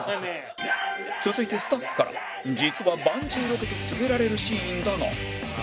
続いてスタッフから実はバンジーロケと告げられるシーンだが